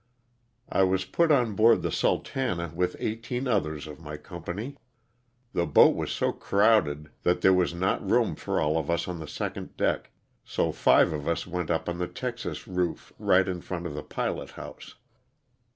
I was put on board the " Sultana" with eighteen others of my company. The boat was so crowded that there was not room for all of us on the second deck, so five of us went up on the texas roof right in front of the pilot house.